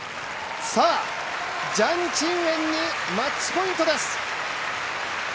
さあ、ジャン・チンウェンにマッチポイントです。